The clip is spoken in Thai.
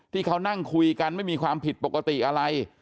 ที่เขานั่งคุยกันไม่มีความผิดปกติอะไร